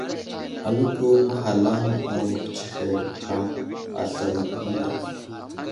Aləko məhalaŋ avohw tsəhed ham aslər məŋdav.